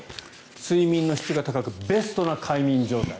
睡眠の質が高くベストな快眠状態。